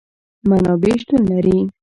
منابع شتون لري